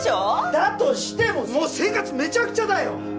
だとしてももう生活めちゃくちゃだよ